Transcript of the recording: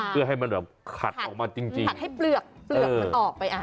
เพื่อให้มันแบบขัดออกมาจริงขัดให้เปลือกเปลือกมันออกไปอ่ะ